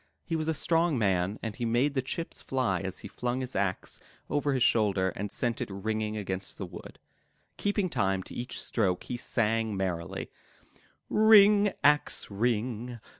He was a strong man and he made the chips fly as he flung his axe over his shoulder and sent it ringing against the wood. Keeping time to each stroke, he sang merrily: *'Ring, axe, ring!